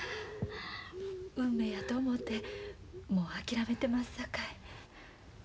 運命やと思うてもう諦めてますさかい。